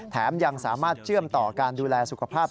ยังสามารถเชื่อมต่อการดูแลสุขภาพ